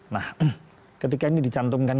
nah ketika ini dicantumkan